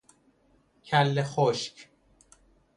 کله خشک